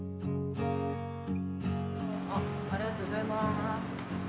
ありがとうございます。